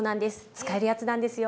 使えるやつなんですよ！